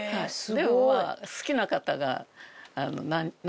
でもまあ好きな方が。